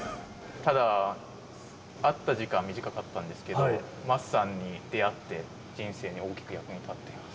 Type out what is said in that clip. ただ、会った時間は短かったんですけど、桝さんに出会って、人生に大きく役に立っています。